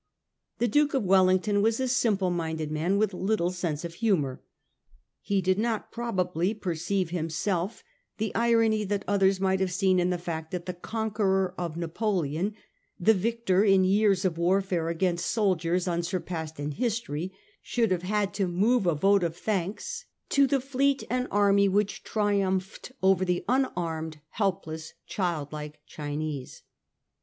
The Duke of Wellington was a simple minded man with little sense of humour. He did not probably perceive him self the irony that others might have seen in the fact that the conqueror of Napoleon, the victor in years of warfare against soldiers unsurpassed in history, should have had to move a vote of thanks to the fleet and army which triumphed over the unarmed, help less, childlike Chinese.